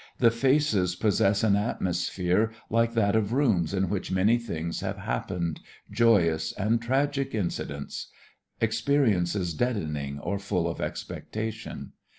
The faces possess an atmosphere like that of rooms in which many things have happened, joyous and tragic incidents, experiences deadening or full of expectation.